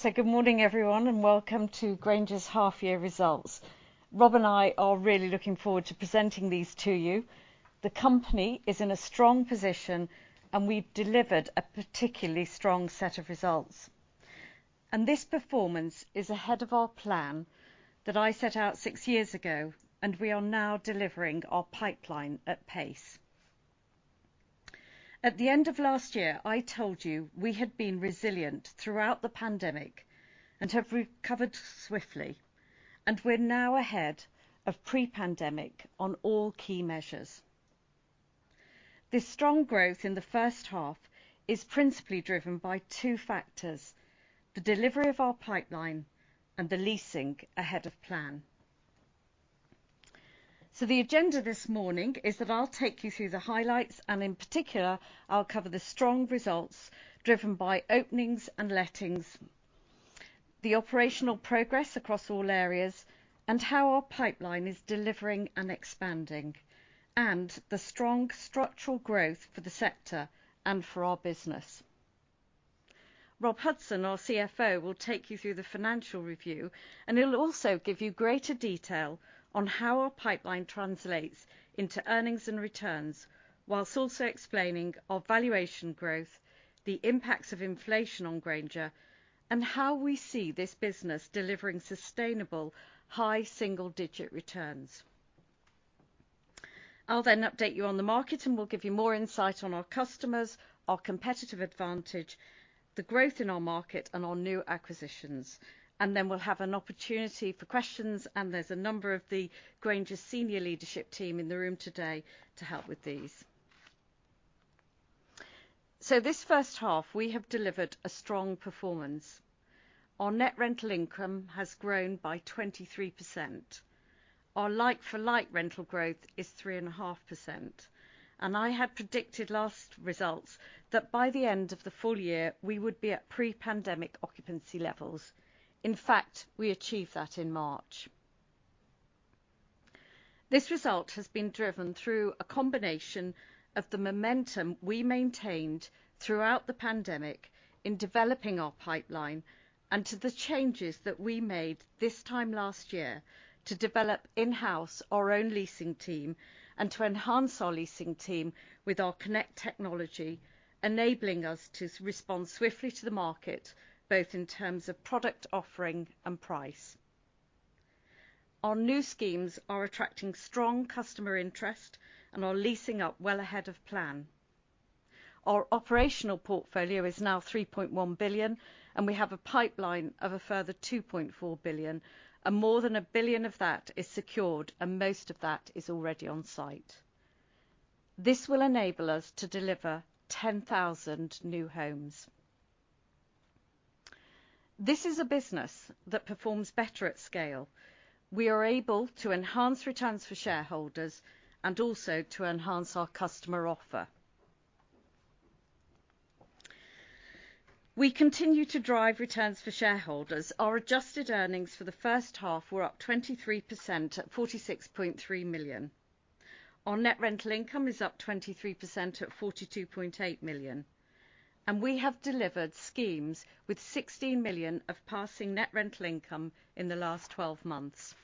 Good morning, everyone, and welcome to Grainger's half-year results. Rob and I are really looking forward to presenting these to you. The company is in a strong position, and we've delivered a particularly strong set of results. This performance is ahead of our plan that I set out six years ago, and we are now delivering our pipeline at pace. At the end of last year, I told you we had been resilient throughout the pandemic and have recovered swiftly, and we're now ahead of pre-pandemic on all key measures. This strong growth in the first half is principally driven by two factors, the delivery of our pipeline and the leasing ahead of plan. The agenda this morning is that I'll take you through the highlights, and in particular, I'll cover the strong results driven by openings and lettings, the operational progress across all areas, and how our pipeline is delivering and expanding, and the strong structural growth for the sector and for our business. Rob Hudson, our CFO, will take you through the financial review, and he'll also give you greater detail on how our pipeline translates into earnings and returns, while also explaining our valuation growth, the impacts of inflation on Grainger, and how we see this business delivering sustainable high single-digit returns. I'll then update you on the market, and we'll give you more insight on our customers, our competitive advantage, the growth in our market, and our new acquisitions. We'll have an opportunity for questions, and there's a number of the Grainger senior leadership team in the room today to help with these. This first half, we have delivered a strong performance. Our net rental income has grown by 23%. Our like-for-like rental growth is 3.5%, and I had predicted last results that by the end of the full year, we would be at pre-pandemic occupancy levels. In fact, we achieved that in March. This result has been driven through a combination of the momentum we maintained throughout the pandemic in developing our pipeline and the changes that we made this time last year to develop in-house our own leasing team and to enhance our leasing team with our CONNECT technology, enabling us to respond swiftly to the market, both in terms of product offering and price. Our new schemes are attracting strong customer interest and are leasing up well ahead of plan. Our operational portfolio is now 3.1 billion, and we have a pipeline of a further 2.4 billion, and more than 1 billion of that is secured, and most of that is already on site. This will enable us to deliver 10,000 new homes. This is a business that performs better at scale. We are able to enhance returns for shareholders and also to enhance our customer offer. We continue to drive returns for shareholders. Our adjusted earnings for the first half were up 23% at 46.3 million. Our net rental income is up 23% at 42.8 million. We have delivered schemes with 16 million of passing net rental income in the last 12 months.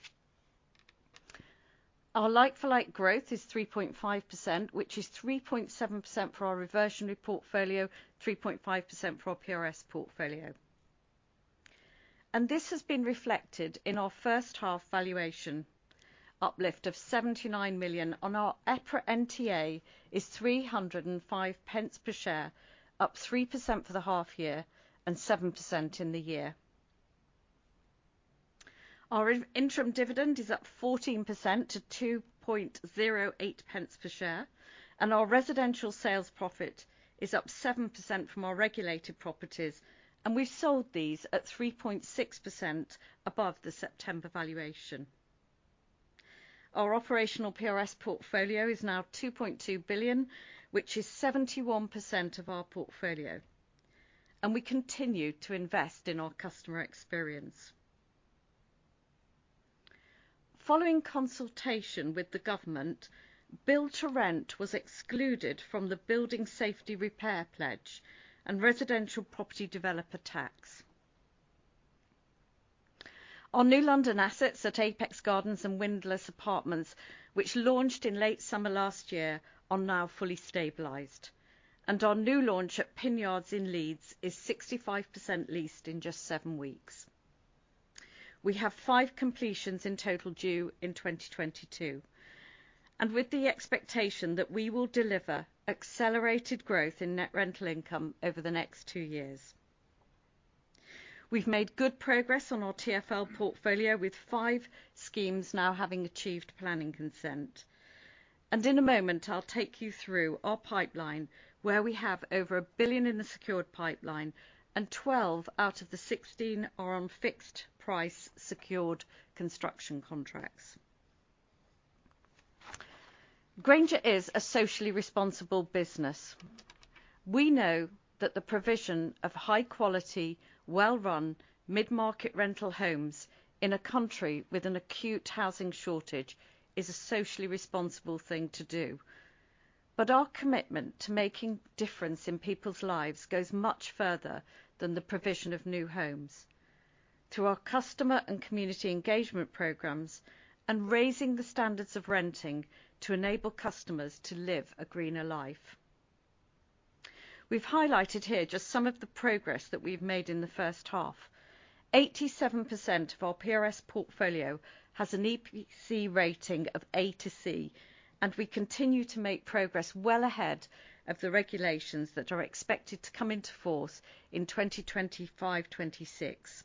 Our like-for-like growth is 3.5%, which is 3.7% for our reversionary portfolio, 3.5% for our PRS portfolio. This has been reflected in our first half valuation uplift of 79 million on our EPRA NTA, which is 305 pence per share, up 3% for the half year and 7% in the year. Our interim dividend is up 14% to 2.08 pence per share, and our residential sales profit is up 7% from our regulated properties, and we sold these at 3.6% above the September valuation. Our operational PRS portfolio is now 2.2 billion, which is 71% of our portfolio, and we continue to invest in our customer experience. Following consultation with the government, Build to Rent was excluded from the building safety repairs pledge and Residential Property Developer Tax. Our New London assets at Apex Gardens and Windlass Apartments, which launched in late summer last year, are now fully stabilized. Our new launch at Pin Yard in Leeds is 65% leased in just seven weeks. We have five completions in total due in 2022, and with the expectation that we will deliver accelerated growth in net rental income over the next two years. We've made good progress on our TfL portfolio, with five schemes now having achieved planning consent. In a moment, I'll take you through our pipeline, where we have over 1 billion in the secured pipeline and 12 out of the 16 are on fixed-price secured construction contracts. Grainger is a socially responsible business. We know that the provision of high quality, well-run mid-market rental homes in a country with an acute housing shortage is a socially responsible thing to do. Our commitment to making a difference in people's lives goes much further than the provision of new homes through our customer and community engagement programs and raising the standards of renting to enable customers to live a greener life. We've highlighted here just some of the progress that we've made in the first half. 87% of our PRS portfolio has an EPC rating of A to C, and we continue to make progress well ahead of the regulations that are expected to come into force in 2025, 2026.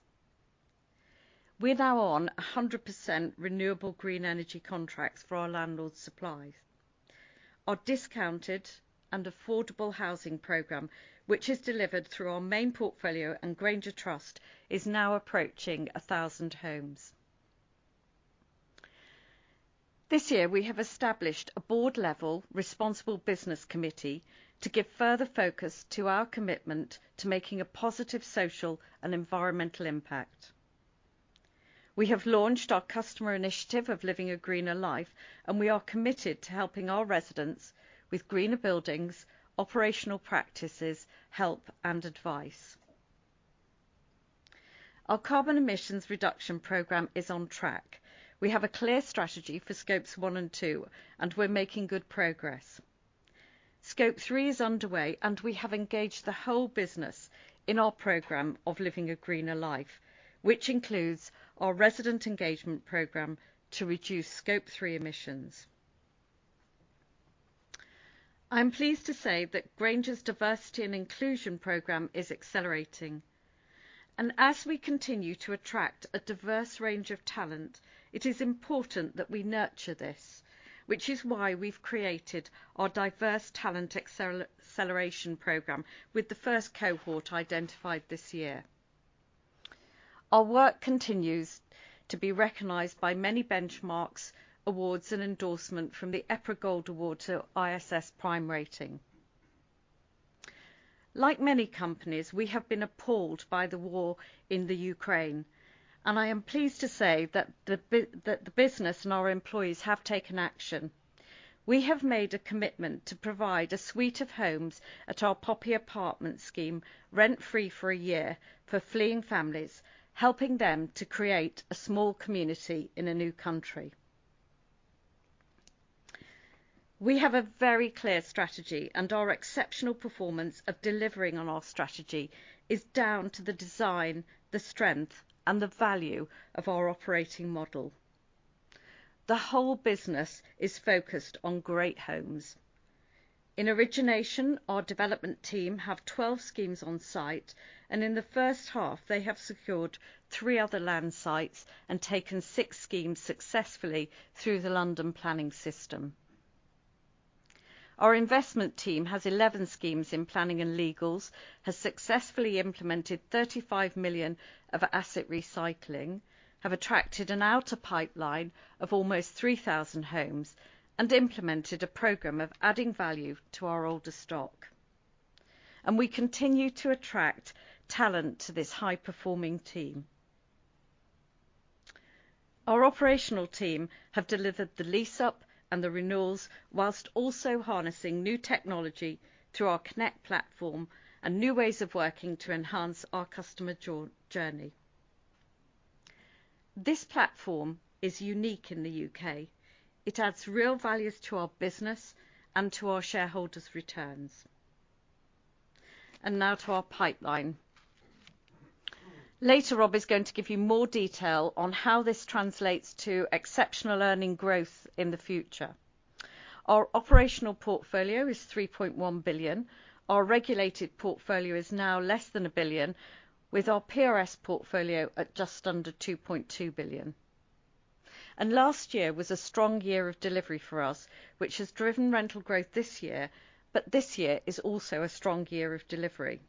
We're now on 100% renewable green energy contracts for our landlord supplies. Our discounted and affordable housing program, which is delivered through our main portfolio and Grainger Trust, is now approaching 1,000 homes. This year, we have established a board-level responsible business committee to give further focus to our commitment to making a positive social and environmental impact. We have launched our customer initiative of Living a Greener Life, and we are committed to helping our residents with greener buildings, operational practices, help and advice. Our carbon emissions reduction program is on track. We have a clear strategy for Scope 1 and Scope 2, and we're making good progress. Scope 3 is underway, and we have engaged the whole business in our program of Living a Greener Life, which includes our resident engagement program to reduce Scope 3 emissions. I am pleased to say that Grainger's diversity and inclusion program is accelerating. As we continue to attract a diverse range of talent, it is important that we nurture this, which is why we've created our Diverse Talent Acceleration program with the first cohort identified this year. Our work continues to be recognized by many benchmarks, awards, and endorsement from the EPRA Gold Award to ISS Prime Rating. Like many companies, we have been appalled by the war in the Ukraine, and I am pleased to say that the business and our employees have taken action. We have made a commitment to provide a suite of homes at our Poppy Apartments scheme, rent-free for a year for fleeing families, helping them to create a small community in a new country. We have a very clear strategy, and our exceptional performance of delivering on our strategy is down to the design, the strength, and the value of our operating model. The whole business is focused on great homes. In origination, our development team have 12 schemes on site, and in the first half, they have secured three other land sites and taken six schemes successfully through the London planning system. Our investment team has 11 schemes in planning and legals, has successfully implemented 35 million of asset recycling, have attracted an outer pipeline of almost 3,000 homes, and implemented a program of adding value to our older stock. We continue to attract talent to this high-performing team. Our operational team have delivered the lease-up and the renewals while also harnessing new technology through our CONNECT platform and new ways of working to enhance our customer journey. This platform is unique in the U.K. It adds real value to our business and to our shareholders' returns. Now to our pipeline. Later, Rob is going to give you more detail on how this translates to exceptional earning growth in the future. Our operational portfolio is 3.1 billion. Our regulated portfolio is now less than 1 billion, with our PRS portfolio at just under 2.2 billion. Last year was a strong year of delivery for us, which has driven rental growth this year, but this year is also a strong year of delivery.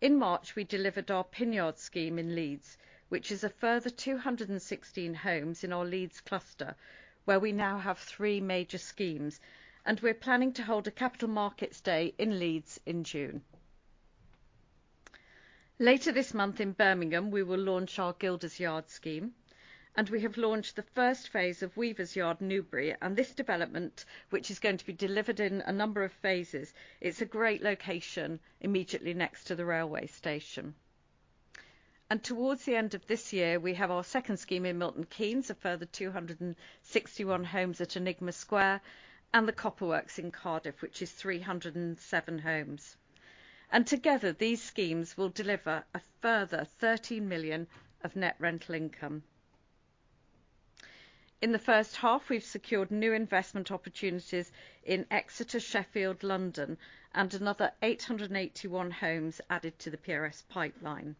In March, we delivered our Pin Yard scheme in Leeds, which is a further 216 homes in our Leeds cluster, where we now have three major schemes, and we're planning to hold a capital markets day in Leeds in June. Later this month in Birmingham, we will launch our Gilders Yard scheme, and we have launched the first phase of Weavers' Yard, Newbury. This development, which is going to be delivered in a number of phases, it's a great location immediately next to the railway station. Towards the end of this year, we have our second scheme in Milton Keynes, a further 261 homes at Enigma Square, and the Copperworks in Cardiff, which is 307 homes. Together, these schemes will deliver a further 30 million of net rental income. In the first half, we've secured new investment opportunities in Exeter, Sheffield, London, and another 881 homes added to the PRS pipeline.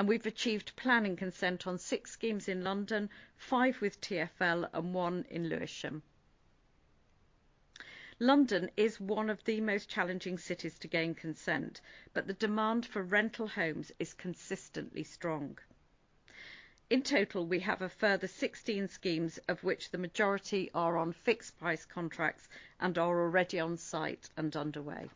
We've achieved planning consent on six schemes in London, five with TfL and one in Lewisham. London is one of the most challenging cities to gain consent, but the demand for rental homes is consistently strong. In total, we have a further 16 schemes of which the majority are on fixed price contracts and are already on site and underway.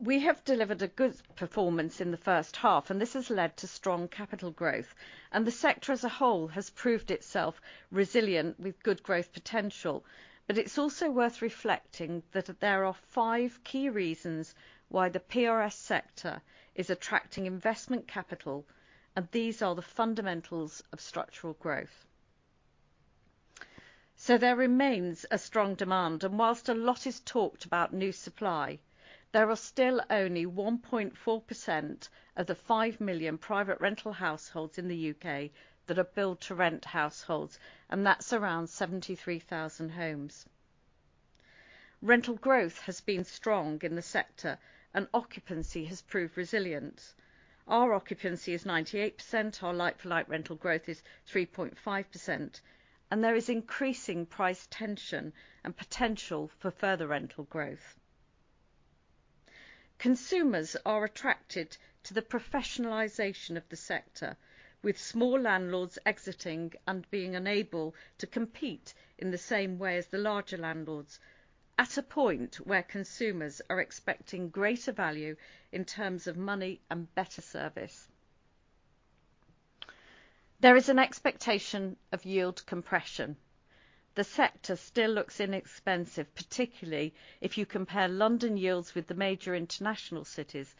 We have delivered a good performance in the first half, and this has led to strong capital growth. The sector as a whole has proved itself resilient with good growth potential. It's also worth reflecting that there are five key reasons why the PRS sector is attracting investment capital, and these are the fundamentals of structural growth. There remains a strong demand, and while a lot is talked about new supply, there are still only 1.4% of the 5 million private rental households in the U.K. that are Build to Rent households, and that's around 73,000 homes. Rental growth has been strong in the sector, and occupancy has proved resilient. Our occupancy is 98%. Our like-for-like rental growth is 3.5%. There is increasing price tension and potential for further rental growth. Consumers are attracted to the professionalization of the sector with small landlords exiting and being unable to compete in the same way as the larger landlords at a point where consumers are expecting greater value in terms of money and better service. There is an expectation of yield compression. The sector still looks inexpensive, particularly if you compare London yields with the major international cities,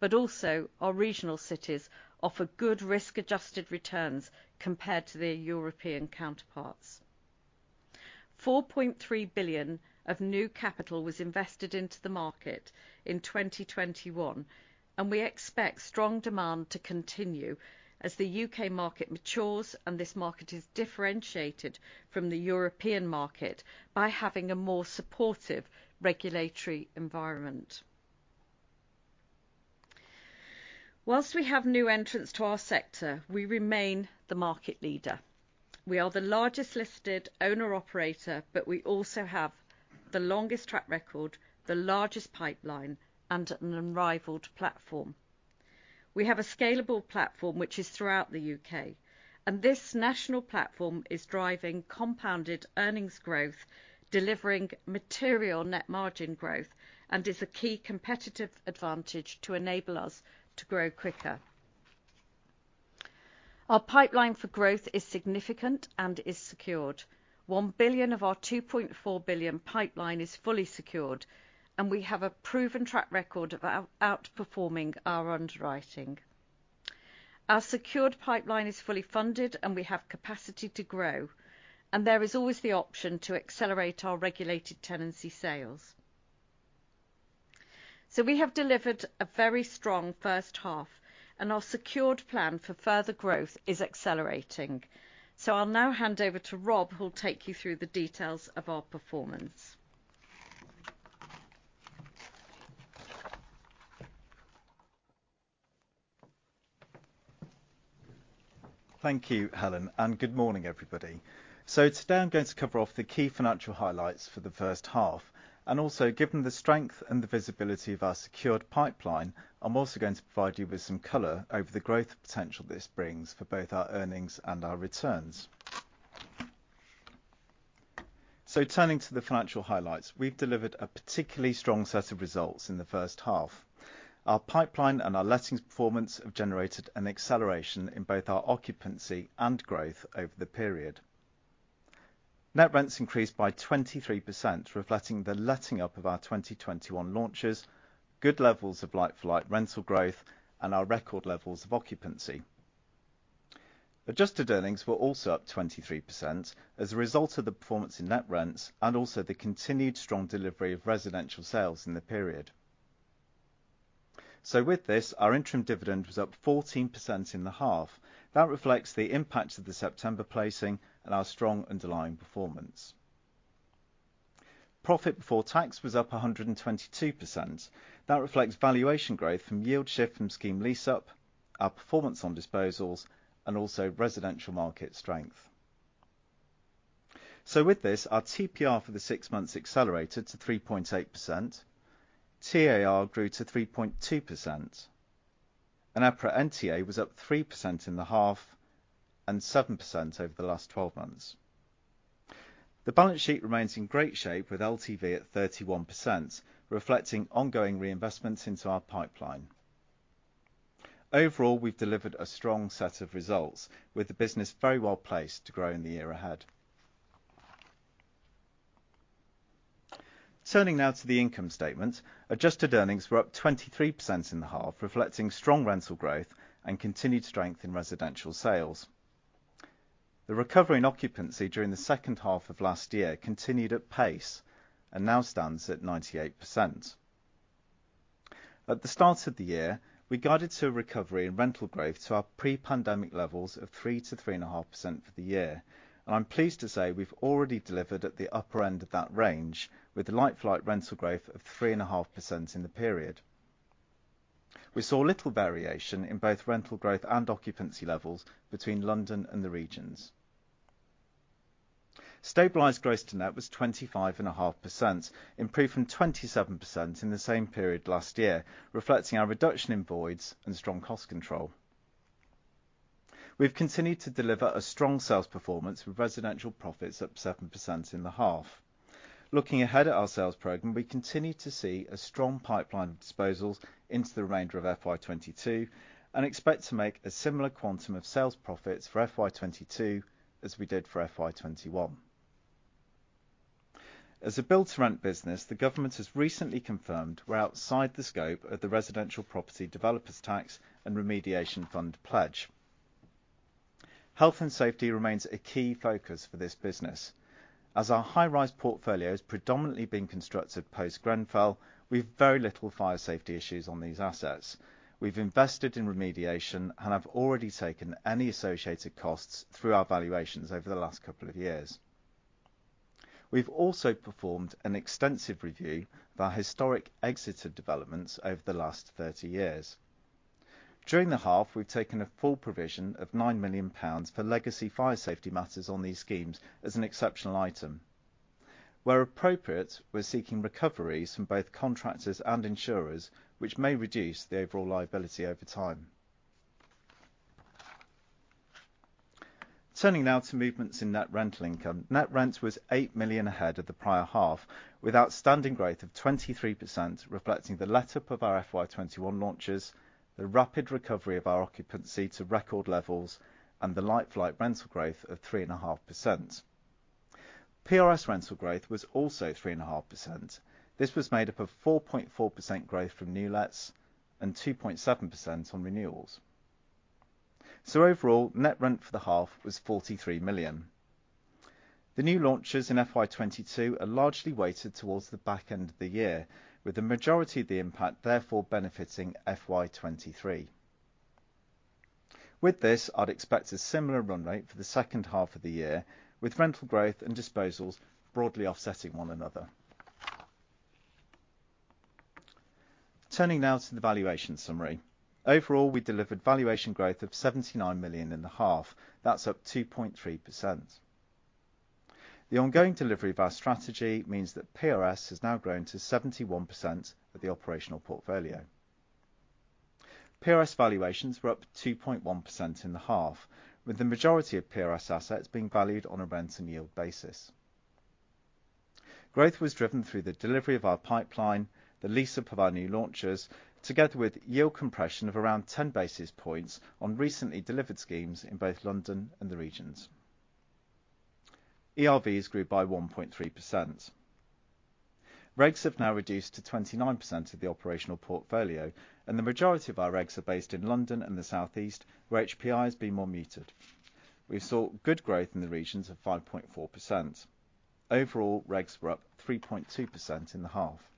but also our regional cities offer good risk-adjusted returns compared to their European counterparts. 4.3 billion of new capital was invested into the market in 2021. We expect strong demand to continue as the UK market matures and this market is differentiated from the European market by having a more supportive regulatory environment. While we have new entrants to our sector, we remain the market leader. We are the largest listed owner operator, but we also have the longest track record, the largest pipeline, and an unrivaled platform. We have a scalable platform which is throughout the U.K., and this national platform is driving compounded earnings growth, delivering material net margin growth, and is a key competitive advantage to enable us to grow quicker. Our pipeline for growth is significant and is secured. 1 billion of our 2.4 billion pipeline is fully secured, and we have a proven track record of outperforming our underwriting. Our secured pipeline is fully funded, and we have capacity to grow, and there is always the option to accelerate our regulated tenancy sales. We have delivered a very strong first half, and our secured plan for further growth is accelerating. I'll now hand over to Rob, who will take you through the details of our performance. Thank you, Helen, and good morning, everybody. Today I'm going to cover off the key financial highlights for the first half, and also given the strength and the visibility of our secured pipeline, I'm also going to provide you with some color over the growth potential this brings for both our earnings and our returns. Turning to the financial highlights. We've delivered a particularly strong set of results in the first half. Our pipeline and our lettings performance have generated an acceleration in both our occupancy and growth over the period. Net rents increased by 23%, reflecting the letting up of our 2021 launches, good levels of like-for-like rental growth, and our record levels of occupancy. Adjusted earnings were also up 23% as a result of the performance in net rents and also the continued strong delivery of residential sales in the period. With this, our interim dividend was up 14% in the half. That reflects the impact of the September placing and our strong underlying performance. Profit before tax was up 122%. That reflects valuation growth from yield shift from scheme lease up, our performance on disposals, and also residential market strength. With this, our TPR for the six months accelerated to 3.8%. TAR grew to 3.2%. Our EPRA NTA was up 3% in the half and 7% over the last 12 months. The balance sheet remains in great shape with LTV at 31%, reflecting ongoing reinvestments into our pipeline. Overall, we've delivered a strong set of results with the business very well placed to grow in the year ahead. Turning now to the income statement. Adjusted earnings were up 23% in the half, reflecting strong rental growth and continued strength in residential sales. The recovery in occupancy during the second half of last year continued at pace and now stands at 98%. At the start of the year, we guided to a recovery in rental growth to our pre-pandemic levels of 3%-3.5% for the year. I'm pleased to say we've already delivered at the upper end of that range with like-for-like rental growth of 3.5% in the period. We saw little variation in both rental growth and occupancy levels between London and the regions. Stabilized gross to net was 25.5%, improved from 27% in the same period last year, reflecting our reduction in voids and strong cost control. We've continued to deliver a strong sales performance with residential profits up 7% in the half. Looking ahead at our sales program, we continue to see a strong pipeline of disposals into the remainder of FY 2022, and expect to make a similar quantum of sales profits for FY 2022 as we did for FY 2021. As a Build to Rent business, the government has recently confirmed we're outside the scope of the Residential Property Developer Tax and building safety repairs pledge. Health and safety remains a key focus for this business. As our high-rise portfolio has predominantly been constructed post-Grenfell, we've very little fire safety issues on these assets. We've invested in remediation and have already taken any associated costs through our valuations over the last couple of years. We've also performed an extensive review of our historic exited developments over the last 30 years. During the half, we've taken a full provision of 9 million pounds for legacy fire safety matters on these schemes as an exceptional item. Where appropriate, we're seeking recoveries from both contractors and insurers, which may reduce the overall liability over time. Turning now to movements in net rental income. Net rent was 8 million ahead of the prior half, with outstanding growth of 23%, reflecting the letting up of our FY 2021 launches, the rapid recovery of our occupancy to record levels, and the like-for-like rental growth of 3.5%. PRS rental growth was also 3.5%. This was made up of 4.4% growth from new lets and 2.7% on renewals. Overall, net rent for the half was 43 million. The new launches in FY 2022 are largely weighted towards the back end of the year, with the majority of the impact therefore benefiting FY 2023. With this, I'd expect a similar run rate for the second half of the year, with rental growth and disposals broadly offsetting one another. Turning now to the valuation summary. Overall, we delivered valuation growth of 79 million in the half. That's up 2.3%. The ongoing delivery of our strategy means that PRS has now grown to 71% of the operational portfolio. PRS valuations were up 2.1% in the half, with the majority of PRS assets being valued on a rent and yield basis. Growth was driven through the delivery of our pipeline, the lease-up of our new launches, together with yield compression of around 10 basis points on recently delivered schemes in both London and the regions. ERVs grew by 1.3%. REGs have now reduced to 29% of the operational portfolio, and the majority of our REGs are based in London and the South East, where HPI has been more muted. We saw good growth in the regions of 5.4%. Overall, REGs were up 3.2% in the half.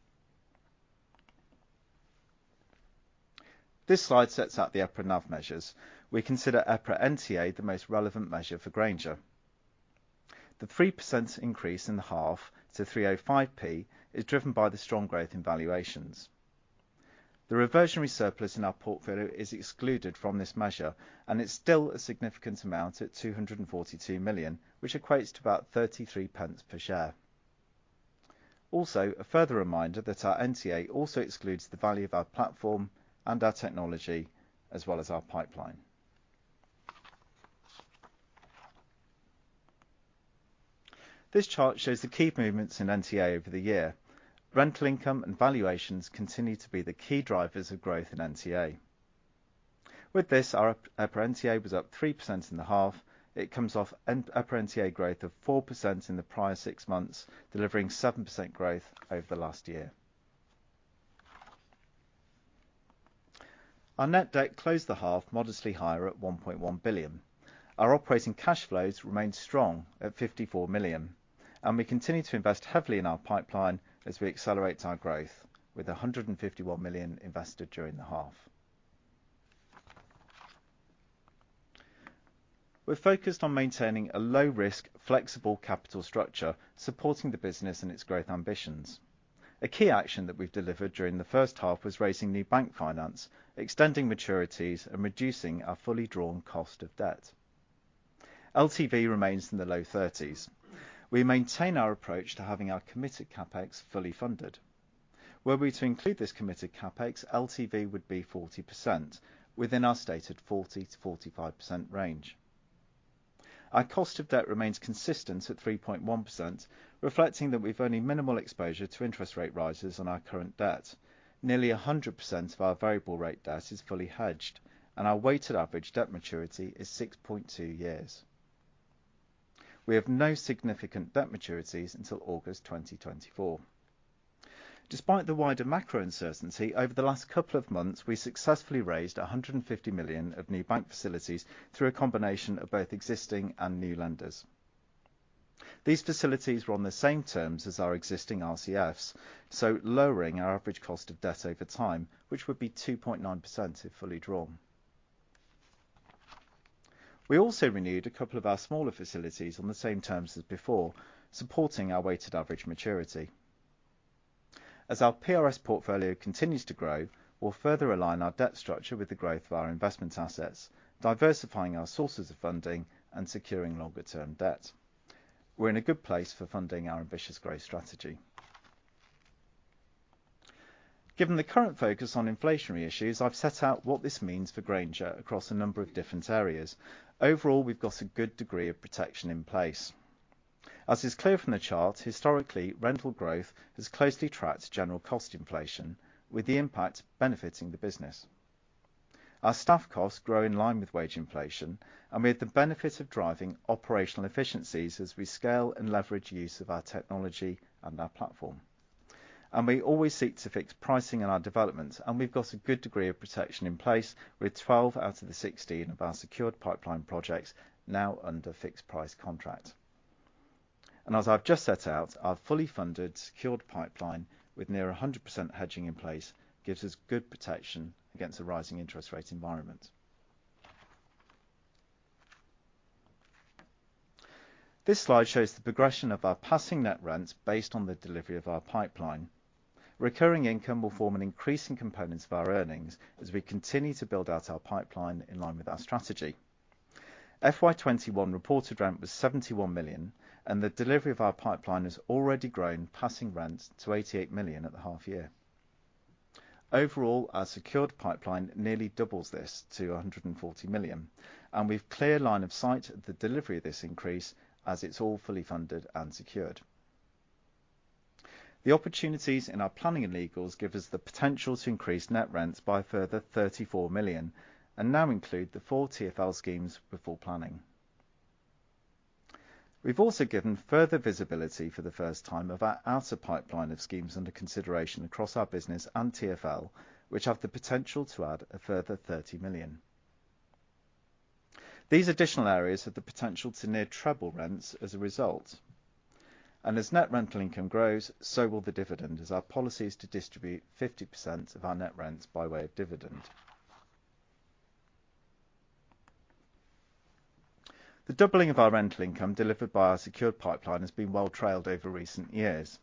This slide sets out the EPRA NAV measures. We consider EPRA NTA the most relevant measure for Grainger. The 3% increase in the half to 305p is driven by the strong growth in valuations. The reversionary surplus in our portfolio is excluded from this measure, and it's still a significant amount at 242 million, which equates to about 0.33 per share. Also, a further reminder that our NTA also excludes the value of our platform and our technology, as well as our pipeline. This chart shows the key movements in NTA over the year. Rental income and valuations continue to be the key drivers of growth in NTA. With this, our EPRA NTA was up 3% in the half. It comes off an EPRA NTA growth of 4% in the prior six months, delivering 7% growth over the last year. Our net debt closed the half modestly higher at 1.1 billion. Our operating cash flows remain strong at 54 million, and we continue to invest heavily in our pipeline as we accelerate our growth with 151 million invested during the half. We're focused on maintaining a low risk, flexible capital structure supporting the business and its growth ambitions. A key action that we've delivered during the first half was raising new bank finance, extending maturities, and reducing our fully drawn cost of debt. LTV remains in the low 30s. We maintain our approach to having our committed CapEx fully funded. Were we to include this committed CapEx, LTV would be 40% within our stated 40%-45% range. Our cost of debt remains consistent at 3.1%, reflecting that we've only minimal exposure to interest rate rises on our current debt. Nearly 100% of our variable rate debt is fully hedged, and our weighted average debt maturity is 6.2 years. We have no significant debt maturities until August 2024. Despite the wider macro uncertainty, over the last couple of months, we successfully raised 150 million of new bank facilities through a combination of both existing and new lenders. These facilities were on the same terms as our existing RCFs, so lowering our average cost of debt over time, which would be 2.9% if fully drawn. We also renewed a couple of our smaller facilities on the same terms as before, supporting our weighted average maturity. As our PRS portfolio continues to grow, we'll further align our debt structure with the growth of our investment assets, diversifying our sources of funding and securing longer term debt. We're in a good place for funding our ambitious growth strategy. Given the current focus on inflationary issues, I've set out what this means for Grainger across a number of different areas. Overall, we've got a good degree of protection in place. As is clear from the chart, historically, rental growth has closely tracked general cost inflation, with the impact benefiting the business. Our staff costs grow in line with wage inflation and with the benefit of driving operational efficiencies as we scale and leverage use of our technology and our platform. We always seek to fix pricing in our developments, and we've got a good degree of protection in place with 12 out of the 16 of our secured pipeline projects now under fixed price contract. As I've just set out, our fully funded secured pipeline with near 100% hedging in place gives us good protection against a rising interest rate environment. This slide shows the progression of our passing net rents based on the delivery of our pipeline. Recurring income will form an increasing component of our earnings as we continue to build out our pipeline in line with our strategy. FY 2021 reported rent was 71 million, and the delivery of our pipeline has already grown passing rent to 88 million at the half year. Overall, our secured pipeline nearly doubles this to 140 million, and we've clear line of sight of the delivery of this increase as it's all fully funded and secured. The opportunities in our planning and legals give us the potential to increase net rents by a further 34 million and now include the four TfL schemes with full planning. We've also given further visibility for the first time of our outer pipeline of schemes under consideration across our business and TfL, which have the potential to add a further 30 million. These additional areas have the potential to near treble rents as a result. As net rental income grows, so will the dividend, as our policy is to distribute 50% of our net rents by way of dividend. The doubling of our rental income delivered by our secured pipeline has been well trailed over recent years.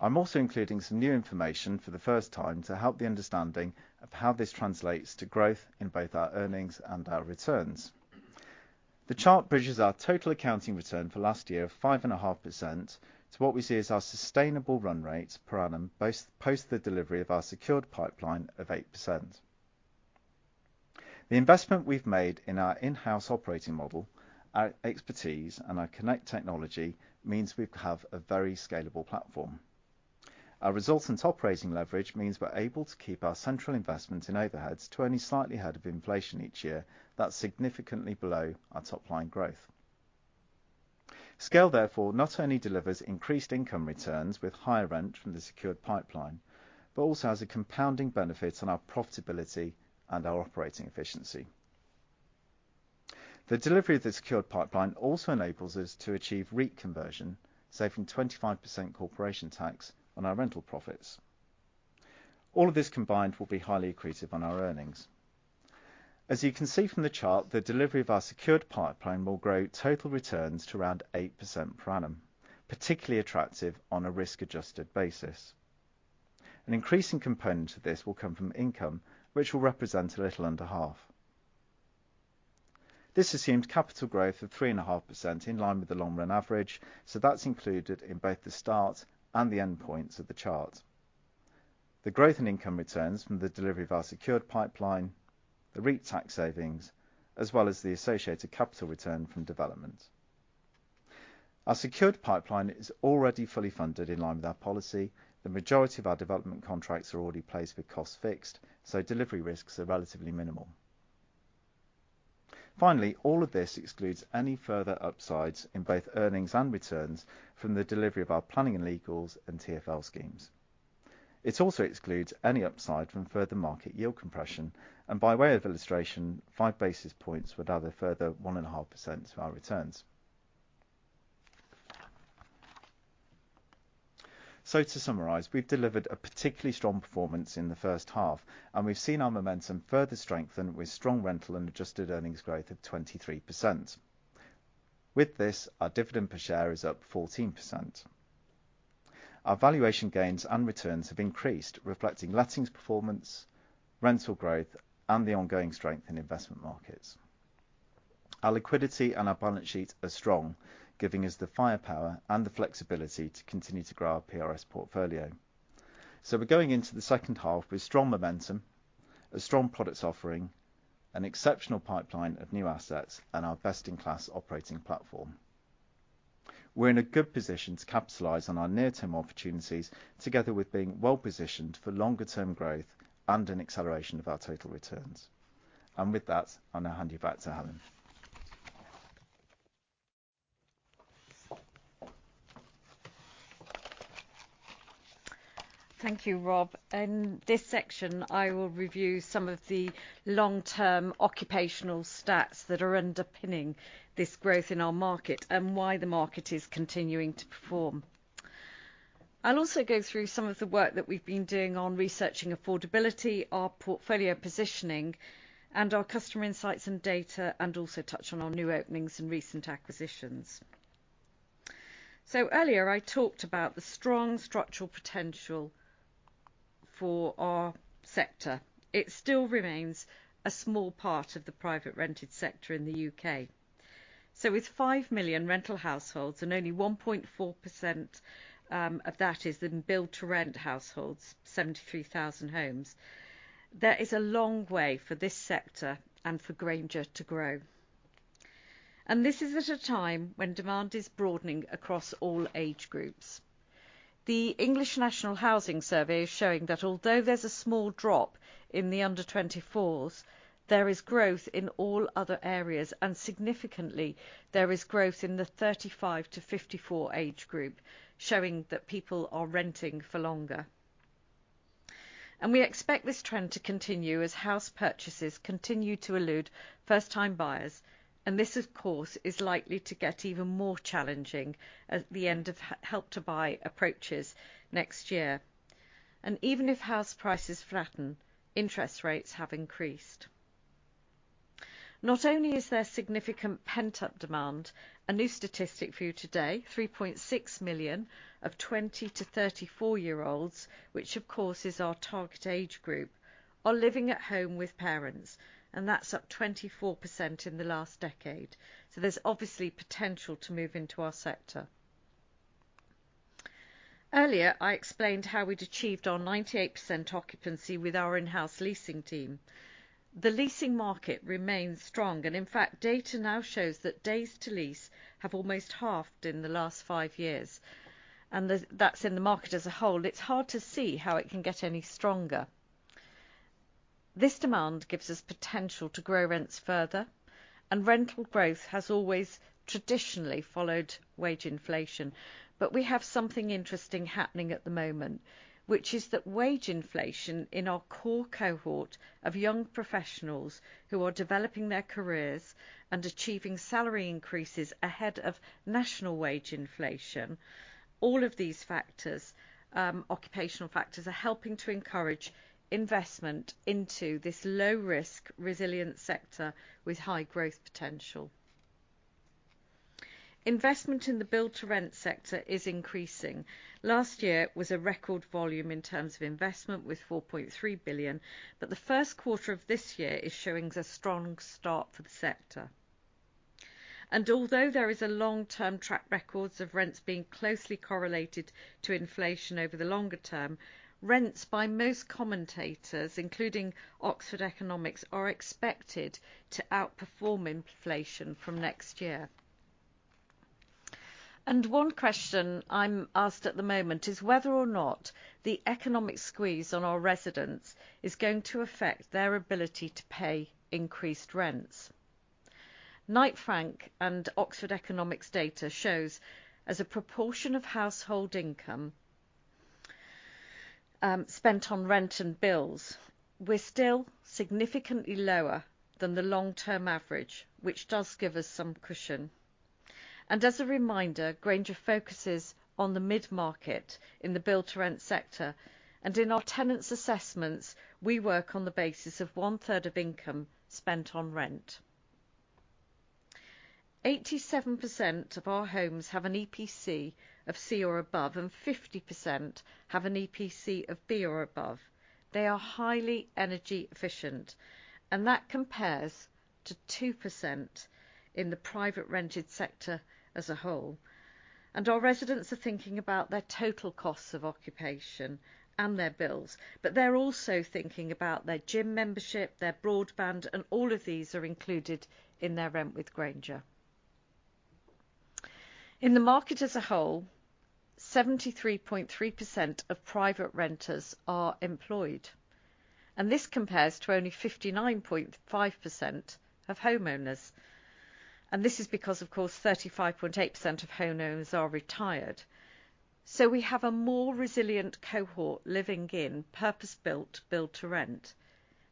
I'm also including some new information for the first time to help the understanding of how this translates to growth in both our earnings and our returns. The chart bridges our total accounting return for last year of 5.5% to what we see as our sustainable run rate per annum post the delivery of our secured pipeline of 8%. The investment we've made in our in-house operating model, our expertise, and our CONNECT technology means we have a very scalable platform. Our resultant operating leverage means we're able to keep our central investment in overheads to only slightly ahead of inflation each year. That's significantly below our top line growth. Scale therefore not only delivers increased income returns with higher rent from the secured pipeline but also has a compounding benefit on our profitability and our operating efficiency. The delivery of the secured pipeline also enables us to achieve REIT conversion, saving 25% corporation tax on our rental profits. All of this combined will be highly accretive on our earnings. As you can see from the chart, the delivery of our secured pipeline will grow total returns to around 8% per annum, particularly attractive on a risk-adjusted basis. An increasing component of this will come from income, which will represent a little under half. This assumes capital growth of 3.5% in line with the long-run average, so that's included in both the start and the end points of the chart. The growth in income returns from the delivery of our secured pipeline, the REIT tax savings, as well as the associated capital return from development. Our secured pipeline is already fully funded in line with our policy. The majority of our development contracts are already placed with costs fixed, so delivery risks are relatively minimal. Finally, all of this excludes any further upsides in both earnings and returns from the delivery of our planning and legals and TfL schemes. It also excludes any upside from further market yield compression. By way of illustration, 5 basis points would add a further 1.5% to our returns. To summarize, we've delivered a particularly strong performance in the first half, and we've seen our momentum further strengthen with strong rental and adjusted earnings growth of 23%. With this, our dividend per share is up 14%. Our valuation gains and returns have increased, reflecting lettings performance, rental growth, and the ongoing strength in investment markets. Our liquidity and our balance sheet are strong, giving us the firepower and the flexibility to continue to grow our PRS portfolio. We're going into the second half with strong momentum, a strong product offering, an exceptional pipeline of new assets, and our best-in-class operating platform. We're in a good position to capitalize on our near-term opportunities, together with being well-positioned for longer-term growth and an acceleration of our total returns. With that, I'll now hand you back to Helen. Thank you, Rob. In this section, I will review some of the long-term occupational stats that are underpinning this growth in our market and why the market is continuing to perform. I'll also go through some of the work that we've been doing on researching affordability, our portfolio positioning, and our customer insights and data, and also touch on our new openings and recent acquisitions. Earlier, I talked about the strong structural potential for our sector. It still remains a small part of the private rented sector in the U.K. With 5 million rental households and only 1.4% of that is in Build to Rent households, 73,000 homes, there is a long way for this sector and for Grainger to grow. This is at a time when demand is broadening across all age groups. The English Housing Survey is showing that although there's a small drop in the under 24s, there is growth in all other areas, and significantly, there is growth in the 35-54 age group, showing that people are renting for longer. We expect this trend to continue as house purchases continue to elude first-time buyers, and this, of course, is likely to get even more challenging as the end of Help to Buy approaches next year. Even if house prices flatten, interest rates have increased. Not only is there significant pent-up demand, a new statistic for you today, 3.6 million 20- to 34-year-olds, which of course is our target age group, are living at home with parents, and that's up 24% in the last decade. There's obviously potential to move into our sector. Earlier, I explained how we'd achieved our 98% occupancy with our in-house leasing team. The leasing market remains strong, and in fact, data now shows that days to lease have almost halved in the last five years, and that's in the market as a whole. It's hard to see how it can get any stronger. This demand gives us potential to grow rents further, and rental growth has always traditionally followed wage inflation. We have something interesting happening at the moment, which is that wage inflation in our core cohort of young professionals who are developing their careers and achieving salary increases ahead of national wage inflation. All of these factors, occupational factors, are helping to encourage investment into this low risk, resilient sector with high growth potential. Investment in the Build to Rent sector is increasing. Last year was a record volume in terms of investment with 4.3 billion, but the first quarter of this year is showing us a strong start for the sector. Although there is a long-term track records of rents being closely correlated to inflation over the longer term, rents by most commentators, including Oxford Economics, are expected to outperform inflation from next year. One question I'm asked at the moment is whether or not the economic squeeze on our residents is going to affect their ability to pay increased rents. Knight Frank and Oxford Economics data shows as a proportion of household income, spent on rent and bills, we're still significantly lower than the long-term average, which does give us some cushion. As a reminder, Grainger focuses on the mid-market in the Build to Rent sector, and in our tenants' assessments, we work on the basis of one-third of income spent on rent. 87% of our homes have an EPC of C or above, and 50% have an EPC of B or above. They are highly energy efficient, and that compares to 2% in the private rented sector as a whole. Our residents are thinking about their total costs of occupation and their bills, but they're also thinking about their gym membership, their broadband, and all of these are included in their rent with Grainger. In the market as a whole, 73.3% of private renters are employed, and this compares to only 59.5% of homeowners. This is because, of course, 35.8% of homeowners are retired. We have a more resilient cohort living in purpose-built Build to Rent.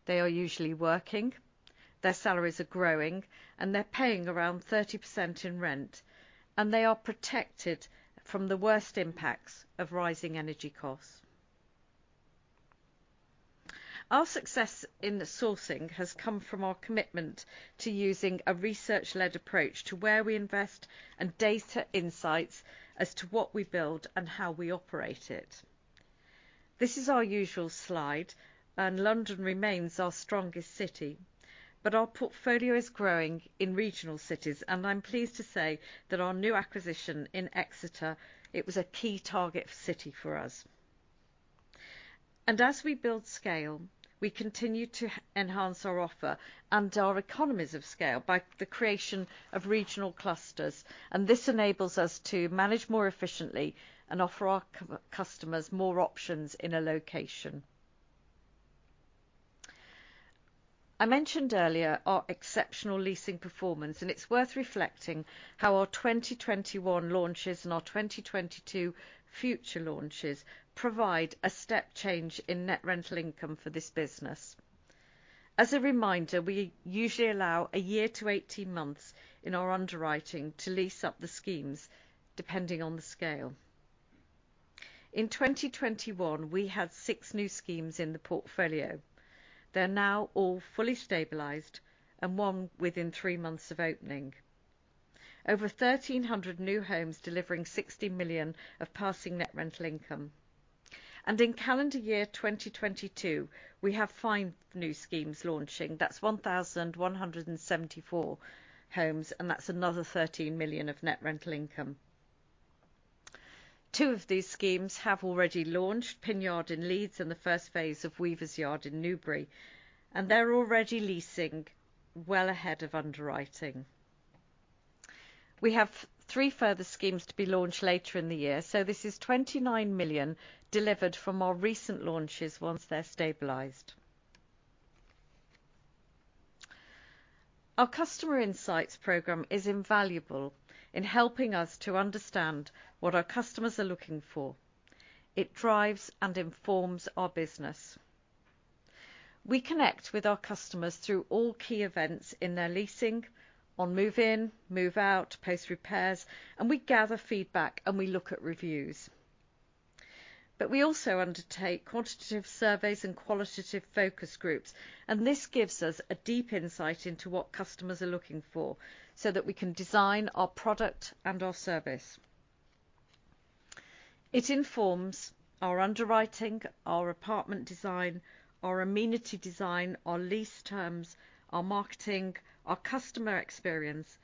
They are usually working, their salaries are growing, and they're paying around 30% in rent, and they are protected from the worst impacts of rising energy costs. Our success in the sourcing has come from our commitment to using a research-led approach to where we invest and data insights as to what we build and how we operate it. This is our usual slide, and London remains our strongest city, but our portfolio is growing in regional cities, and I'm pleased to say that our new acquisition in Exeter. It was a key target city for us. As we build scale, we continue to enhance our offer and our economies of scale by the creation of regional clusters, and this enables us to manage more efficiently and offer our customers more options in a location. I mentioned earlier our exceptional leasing performance, and it's worth reflecting how our 2021 launches and our 2022 future launches provide a step change in net rental income for this business. As a reminder, we usually allow a year to 18 months in our underwriting to lease up the schemes depending on the scale. In 2021, we had six new schemes in the portfolio. They're now all fully stabilized and one within three months of opening. Over 1,300 new homes delivering 60 million of passing net rental income. In calendar year 2022, we have five new schemes launching. That's 1,174 homes, and that's another 13 million of net rental income. Two of these schemes have already launched, Pin Yard in Leeds and the first phase of Weavers' Yard in Newbury, and they're already leasing well ahead of underwriting. We have three further schemes to be launched later in the year, so this is 29 million delivered from our recent launches once they're stabilized. Our customer insights program is invaluable in helping us to understand what our customers are looking for. It drives and informs our business. We connect with our customers through all key events in their leasing, on move in, move out, post repairs, and we gather feedback and we look at reviews. We also undertake quantitative surveys and qualitative focus groups, and this gives us a deep insight into what customers are looking for so that we can design our product and our service. It informs our underwriting, our apartment design, our amenity design, our lease terms, our marketing, our customer experience,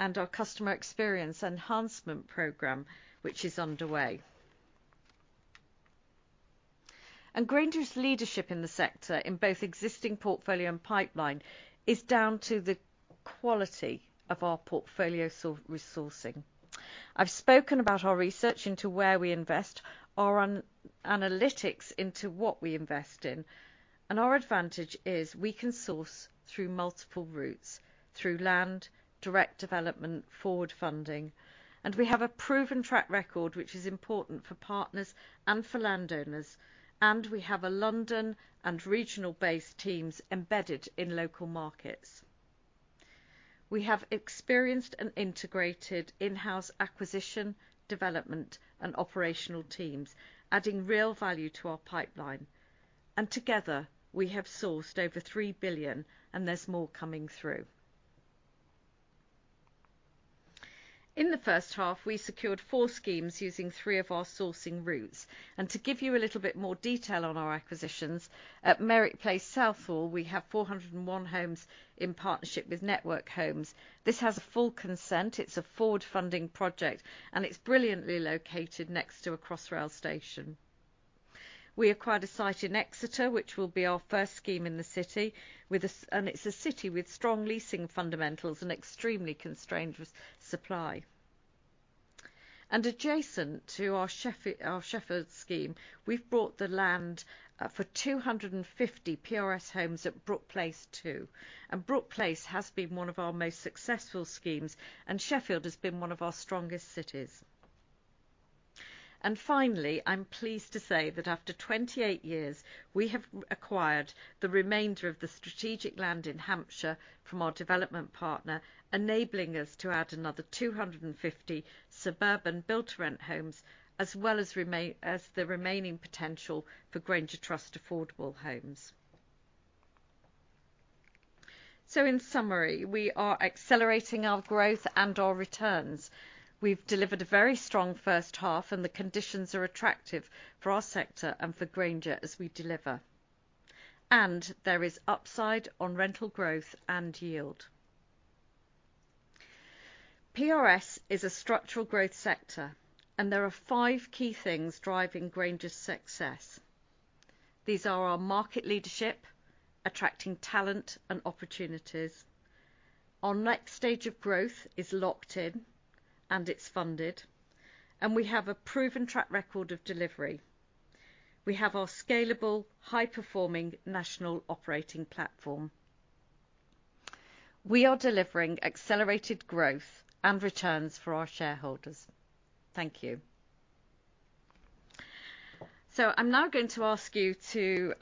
and our customer experience enhancement program, which is underway. Grainger's leadership in the sector in both existing portfolio and pipeline is down to the quality of our portfolio sourcing. I've spoken about our research into where we invest, our analytics into what we invest in, and our advantage is we can source through multiple routes, through land, direct development, forward funding. We have a proven track record, which is important for partners and for landowners, and we have a London- and regional-based teams embedded in local markets. We have experienced and integrated in-house acquisition, development, and operational teams, adding real value to our pipeline. Together, we have sourced over 3 billion, and there's more coming through. In the first half, we secured four schemes using three of our sourcing routes. To give you a little bit more detail on our acquisitions, at Merrick Place, Southall, we have 401 homes in partnership with Network Homes. This has a full consent. It's a forward funding project, and it's brilliantly located next to a Crossrail station. We acquired a site in Exeter, which will be our first scheme in the city. It's a city with strong leasing fundamentals and extremely constrained supply. Adjacent to our Sheffield scheme, we've bought the land for 250 PRS homes at Brook Place too. Brook Place has been one of our most successful schemes, and Sheffield has been one of our strongest cities. Finally, I'm pleased to say that after 28 years, we have acquired the remainder of the strategic land in Hampshire from our development partner, enabling us to add another 250 suburban build-to-rent homes, as well as the remaining potential for Grainger Trust affordable homes. In summary, we are accelerating our growth and our returns. We've delivered a very strong first half, and the conditions are attractive for our sector and for Grainger as we deliver. There is upside on rental growth and yield. PRS is a structural growth sector, and there are five key things driving Grainger's success. These are our market leadership, attracting talent and opportunities. Our next stage of growth is locked in, and it's funded, and we have a proven track record of delivery. We have our scalable, high-performing national operating platform. We are delivering accelerated growth and returns for our shareholders. Thank you. I'm now going to ask you to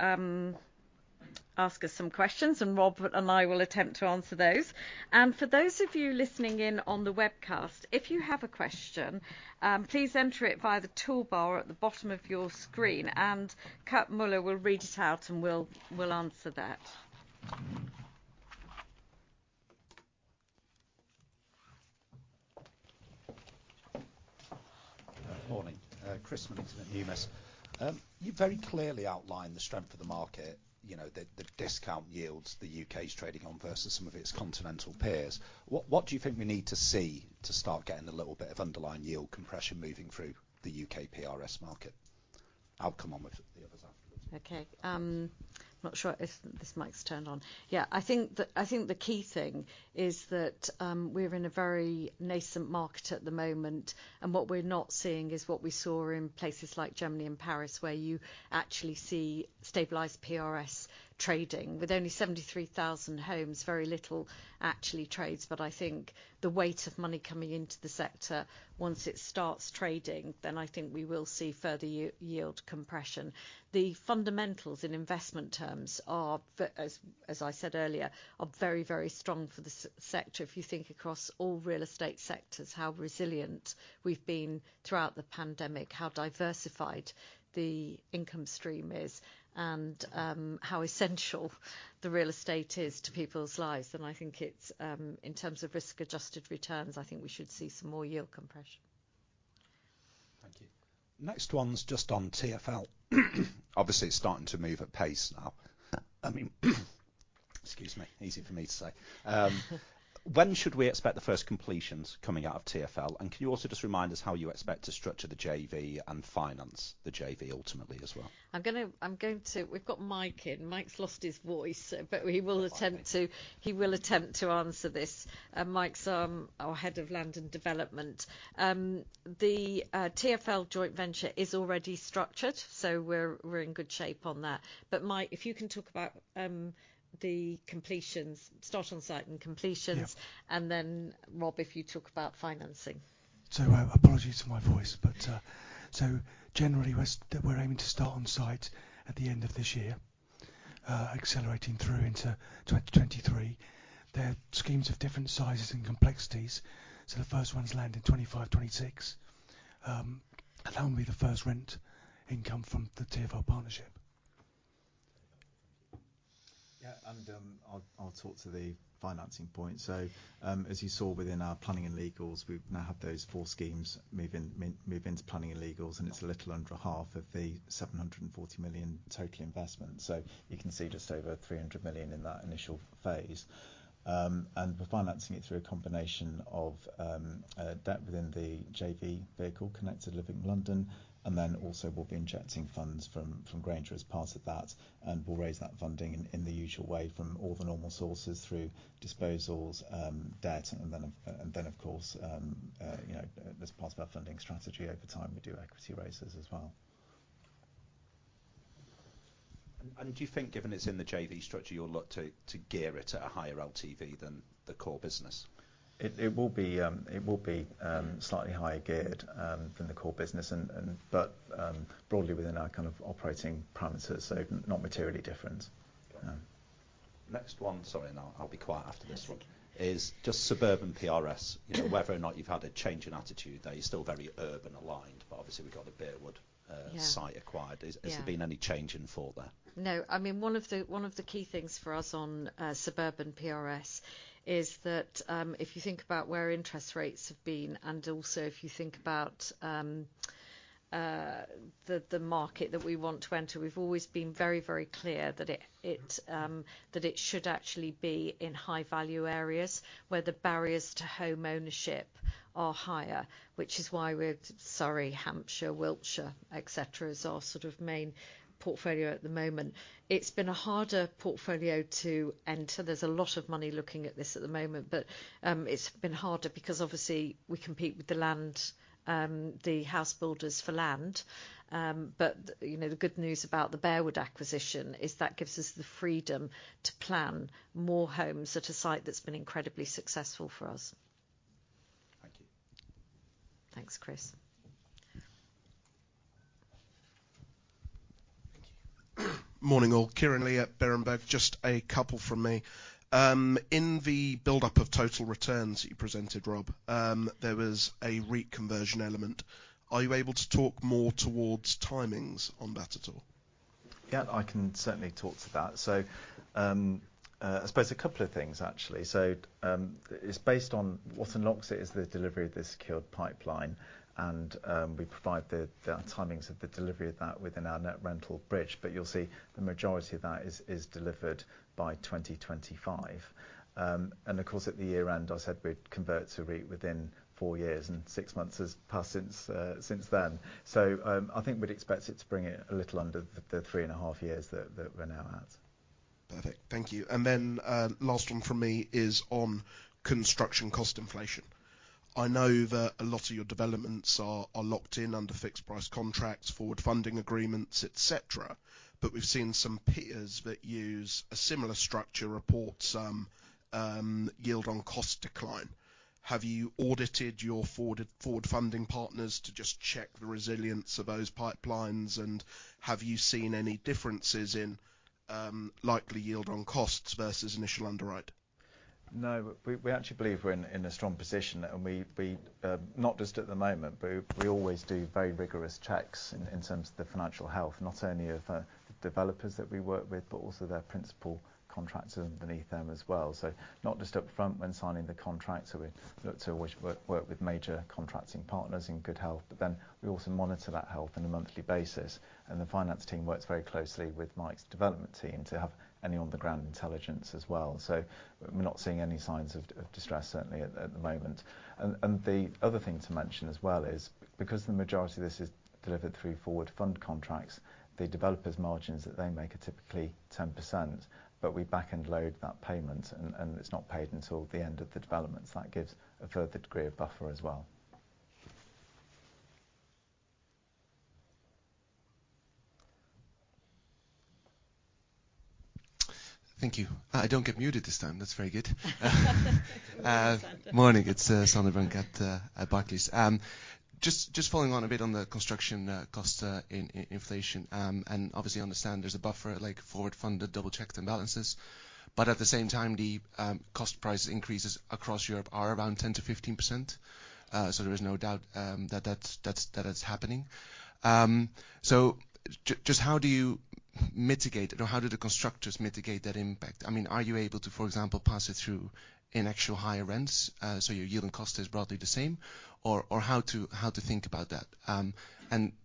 ask us some questions, and Robert and I will attempt to answer those. For those of you listening in on the webcast, if you have a question, please enter it via the toolbar at the bottom of your screen, and Kurt Mueller will read it out, and we'll answer that. Morning. Chris Millican at Numis. You very clearly outlined the strength of the market, you know, the discount yields the U.K. is trading on versus some of its continental peers. What do you think we need to see to start getting a little bit of underlying yield compression moving through the UK PRS market? I'll come on with the others afterwards. Okay. Not sure if this mic's turned on. Yeah. I think the key thing is that we're in a very nascent market at the moment, and what we're not seeing is what we saw in places like Germany and Paris, where you actually see stabilized PRS trading. With only 73,000 homes, very little actually trades. I think the weight of money coming into the sector, once it starts trading, then I think we will see further yield compression. The fundamentals in investment terms are as I said earlier, are very, very strong for the sector. If you think across all real estate sectors, how resilient we've been throughout the pandemic, how diversified the income stream is, and how essential the real estate is to people's lives. I think it's in terms of risk-adjusted returns, I think we should see some more yield compression. Next one's just on TfL. Obviously, it's starting to move at pace now. I mean, excuse me. Easy for me to say. When should we expect the first completions coming out of TfL? And can you also just remind us how you expect to structure the JV and finance the JV ultimately as well? I'm going to. We've got Mike in. Mike's lost his voice, but he will attempt to. Oh, blimey. He will attempt to answer this. Mike's our head of land and development. The TfL joint venture is already structured, so we're in good shape on that. Mike, if you can talk about the completions, start on site and completions. Yeah. Rob, if you talk about financing. Apologies for my voice, but generally we're aiming to start on site at the end of this year, accelerating through into 2023. They're schemes of different sizes and complexities, so the first one's landing 2025, 2026. That will be the first rent income from the TfL partnership. Thank you. Yeah. I'll talk to the financing point. As you saw within our planning and legals, we now have those four schemes moving into planning and legals, and it's a little under half of the 740 million total investment. You can see just over 300 million in that initial phase. We're financing it through a combination of debt within the JV vehicle, Connected Living London, and then also we'll be injecting funds from Grainger as part of that, and we'll raise that funding in the usual way from all the normal sources through disposals, debt. Then, of course, you know, as part of our funding strategy over time, we do equity raises as well. Do you think given it's in the JV structure, you'll look to gear it at a higher LTV than the core business? It will be slightly higher geared than the core business but broadly within our kind of operating parameters, so not materially different. Next one. Sorry, I'll be quiet after this one. That's fine. Is just suburban PRS, you know, whether or not you've had a change in attitude there. You're still very urban aligned, but obviously we've got the Bearwood. Yeah Site acquired. Yeah. Has there been any change in thought there? No. I mean, one of the key things for us on suburban PRS is that, if you think about where interest rates have been, and also if you think about the market that we want to enter, we've always been very clear that it should actually be in high value areas where the barriers to homeownership are higher. Which is why we're Surrey, Hampshire, Wiltshire, et cetera, is our sort of main portfolio at the moment. It's been a harder portfolio to enter. There's a lot of money looking at this at the moment, but it's been harder because obviously we compete with the house builders for land. You know, the good news about the Bearwood acquisition is that gives us the freedom to plan more homes at a site that's been incredibly successful for us. Thank you. Thanks, Chris. Thank you. Morning, all. Kieran Lee at Berenberg. Just a couple from me. In the buildup of total returns that you presented, Rob, there was a REIT conversion element. Are you able to talk more towards timings on that at all? Yeah, I can certainly talk to that. I suppose a couple of things actually. It's based on what unlocks it is the delivery of the secured pipeline and we provide the timings of the delivery of that within our net rental bridge. You'll see the majority of that is delivered by 2025. Of course, at the year-end, I said we'd convert to REIT within four years, and six months has passed since then. I think we'd expect it to bring it a little under the three and a half years that we're now at. Perfect. Thank you. Last one from me is on construction cost inflation. I know that a lot of your developments are locked in under fixed price contracts, forward funding agreements, et cetera, but we've seen some peers that use a similar structure report some yield on cost decline. Have you audited your forward funding partners to just check the resilience of those pipelines? Have you seen any differences in likely yield on costs versus initial underwrite? No. We actually believe we're in a strong position. not just at the moment, but we always do very rigorous checks in terms of the financial health, not only of developers that we work with, but also their principal contractors beneath them as well. not just up front when signing the contract, so we look to work with major contracting partners in good health, but then we also monitor that health on a monthly basis. The finance team works very closely with Mike's development team to have any on the ground intelligence as well. We're not seeing any signs of distress, certainly at the moment. The other thing to mention as well is because the majority of this is delivered through forward fund contracts, the developers margins that they make are typically 10%, but we back end load that payment and it's not paid until the end of the development. That gives a further degree of buffer as well. Thank you. Thank you. I don't get muted this time. That's very good. Morning. It's Sander Bunck at Barclays. Just following on a bit on the construction cost inflation, and obviously understand there's a buffer like forward fund, the double checks and balances. At the same time, the cost price increases across Europe are around 10%-15%. There is no doubt that that is happening. Just how do you mitigate it, or how do the constructors mitigate that impact? I mean, are you able to, for example, pass it through in actual higher rents, so your yield and cost is broadly the same? Or how to think about that?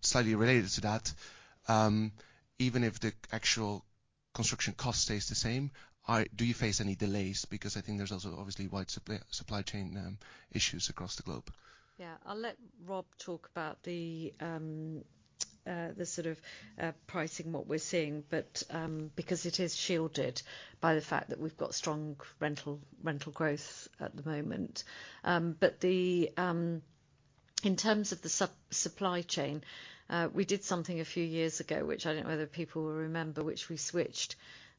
Slightly related to that, even if the actual construction cost stays the same, do you face any delays? Because I think there's also obviously wide supply chain issues across the globe. I'll let Rob talk about the sort of pricing, what we're seeing. Because it is shielded by the fact that we've got strong rental growth at the moment. In terms of the supply chain, we did something a few years ago, which I don't know whether people will remember, which we switched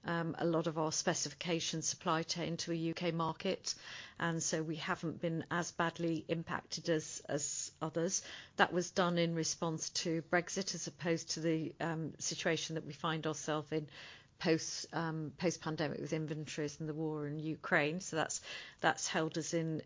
a lot of our specification supply chain to a UK market, and we haven't been as badly impacted as others. That was done in response to Brexit as opposed to the situation that we find ourselves in post-pandemic with inventories and the war in Ukraine. That's held us in